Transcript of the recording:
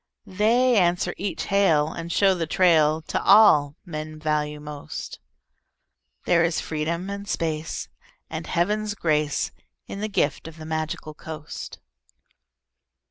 They answer each hail and show the trail To all men value most. There is freedom and space and Heaven's grace In the gift of the Magical Coast.